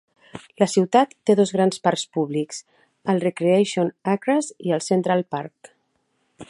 La ciutat té dos gran parcs públics: el Recreation Acres i el Central Park.